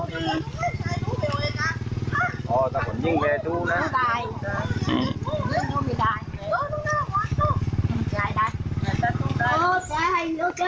เห็นน่ะอะไรเยอะนี้ล่ะซื้อสุด